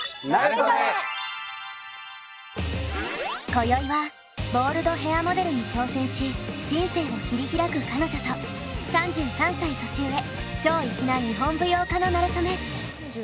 こよいはボールドヘアモデルに挑戦し人生を切り開く彼女と３３歳年上超粋な日本舞踊家のなれそめ。